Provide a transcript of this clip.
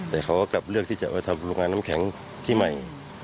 แต่เขาก็กลับเลือกที่จะทำโรงงานน้ำแข็งที่ใหม่